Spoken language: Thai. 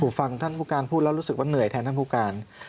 ฟังท่านผู้การพูดแล้วรู้สึกว่าเหนื่อยแทนท่านผู้การ